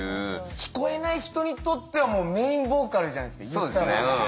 聞こえない人にとってはもうメインボーカルじゃないですか。